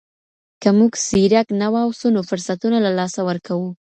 که موږ ځيرک نه واوسو نو فرصتونه له لاسه ورکوو.